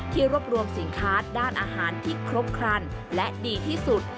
รวบรวมสินค้าด้านอาหารที่ครบครันและดีที่สุด